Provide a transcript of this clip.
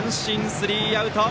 スリーアウト。